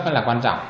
với là quan trọng